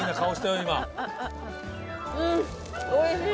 うんおいしい。